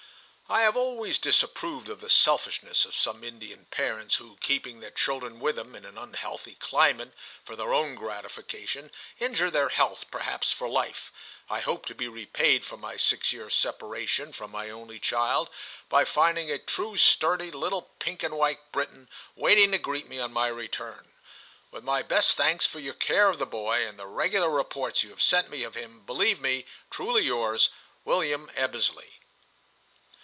I have always disapproved of the selfishness of some Indian parents who, keeping their children with them in an unhealthy climate for their own gratification, injure their health perhaps for life, I hope to be repaid for my six years* separation from my only child by finding a true, sturdy little pink and white Briton waiting to greet me on my return. With my best thanks for your care of the boy and the regular reports you have sent me of him, believe me, truly yours, * William Ebbesley.'